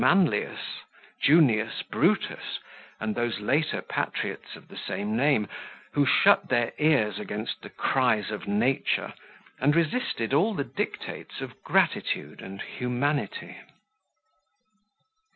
Manlius, Junius Brutus, and those later patriots of the same name, who shut their ears against the cries of nature, and resisted all the dictates of gratitude and humanity.